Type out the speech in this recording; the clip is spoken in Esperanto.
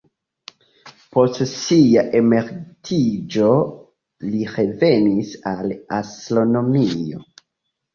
Post sia emeritiĝo, li revenis al astronomio.